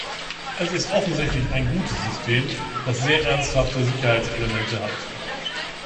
Es ist offensichtlich ein gutes System, das sehr ernsthafte Sicherheitselemente hat.